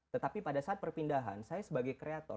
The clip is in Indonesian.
tetapi pada saat perpindahan saya sebagai kreator